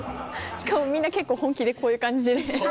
しかもみんな結構本気でこういう感じで。